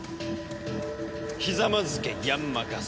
ひざまずけヤンマ・ガスト。